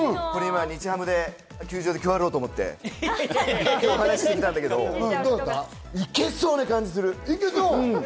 今、ハムの球場で配ろうと思って、今日話してきたんだけど、いけそうな感じする。